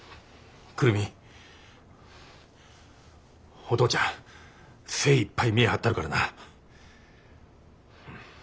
お父ちゃん精いっぱい見え張ったるからな。